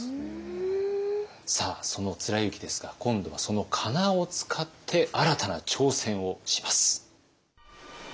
さあその貫之ですが今度はそのかなを使って新たな挑戦をします。